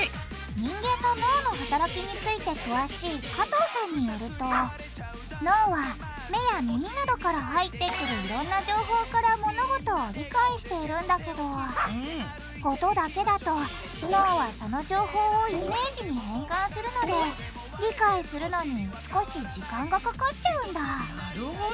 人間の脳の働きについて詳しい加藤さんによると脳は目や耳などから入ってくるいろんな情報から物事を理解しているんだけど音だけだと脳はその情報をイメージに変換するので理解するのに少し時間がかかっちゃうんだなるほど！